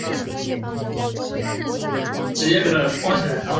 小穆尔默隆人口变化图示